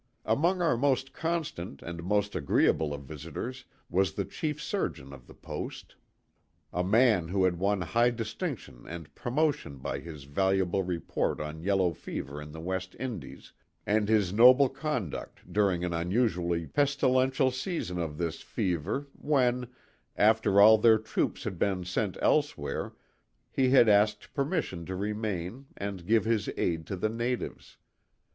Among our most constant and most agreeable of visitors was the chief surgeon of the Post, a man who had won high distinction and promo tion by his valuable report on yellow fever in the West Indies, and his noble conduct during an unusually pestilential season of this fever when, after all their troops had been sent else THE TWO WILLS. 135 where, he had asked permission to remain and give his aid to the natives.